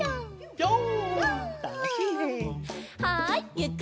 ぴょん！